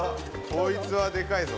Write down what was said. こいつはでかいぞ。